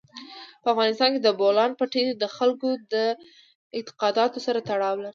په افغانستان کې د بولان پټي د خلکو د اعتقاداتو سره تړاو لري.